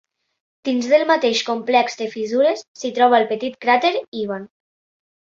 Dins del mateix complex de fissures s'hi troba el petit cràter Ivan.